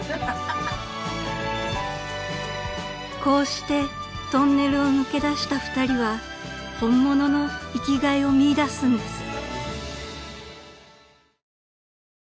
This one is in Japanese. ［こうしてトンネルを抜け出した２人は本物の生きがいを見いだすんです］